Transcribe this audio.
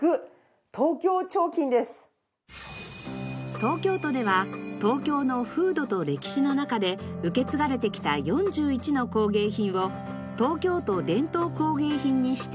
東京都では東京の風土と歴史の中で受け継がれてきた４１の工芸品を東京都伝統工芸品に指定しています。